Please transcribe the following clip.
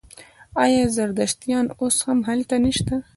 آیا زردشتیان اوس هم هلته نشته؟